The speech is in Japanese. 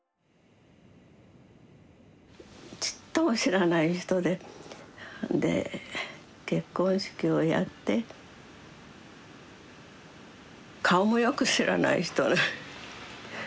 ちっとも知らない人でで結婚式をやって顔もよく知らない人。